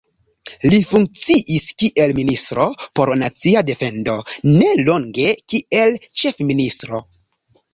Li funkciis kiel ministro por nacia defendo, nelonge kiel ĉefministro.